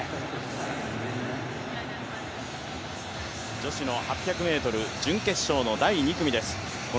女子の８００ｍ準決勝の第２組です。